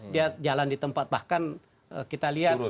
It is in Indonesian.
dia jalan di tempat bahkan kita lihat